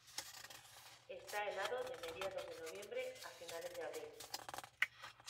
Está helado de mediados de noviembre a finales de abril.